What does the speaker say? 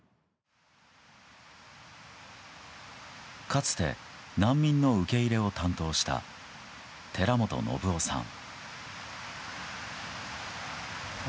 かつて難民の受け入れを担当した、寺本信生さん。